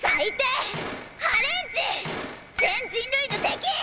全人類の敵！